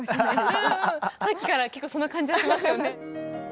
うんうんさっきから結構その感じはしますよね。